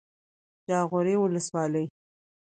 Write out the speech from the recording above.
جاغوري ولسوالۍ